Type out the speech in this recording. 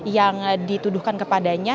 yang dituduhkan kepadanya